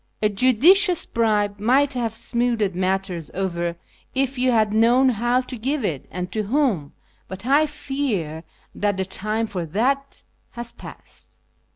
A judicious bribe might have smoothed matters over if you had known how to give it and to whom, but I fear that the time for that has passed."